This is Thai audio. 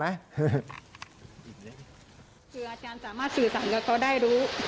คืออาจารย์สามารถสื่อสารกับเขาได้รู้